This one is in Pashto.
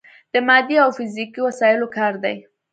د مادي او فزیکي وسايلو کار دی.